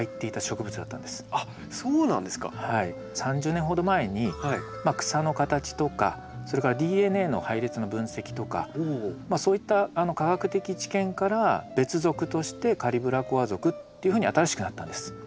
３０年ほど前に草の形とかそれからＤＮＡの配列の分析とかそういった科学的知見から別属としてカリブラコア属っていうふうに新しくなったんです。